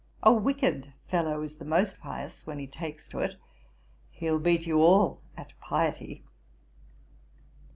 A wicked fellow is the most pious when he takes to it. He'll beat you all at piety.'